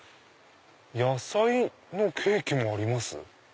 「野菜のケーキもあります」。